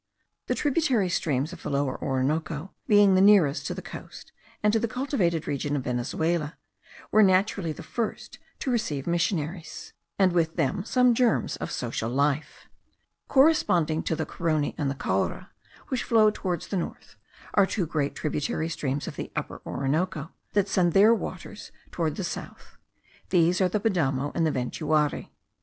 The tributary streams of the Lower Orinoco, being the nearest to the coast and to the cultivated region of Venezuela, were naturally the first to receive missionaries, and with them some germs of social life. Corresponding to the Carony and the Caura, which flow toward the north, are two great tributary streams of the Upper Orinoco, that send their waters toward the south; these are the Padamo and the Ventuari.